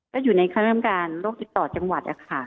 ก็อยู่ในขั้นเริ่มการโรคติดต่อจังหวัดค่ะ